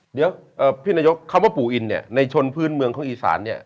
เดี๋ยวพี่นายกคำว่าปู่อินเนี่ยในชนพื้นเมืองของอีสานเนี่ย